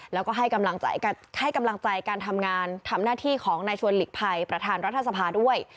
แล้วก็ให้กำลังใจการทำงานทำหน้าที่ของนายชวนหลีกภัยประธานรัฐสภาด้วย